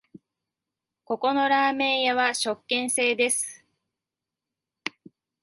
ここのラーメン屋は食券制です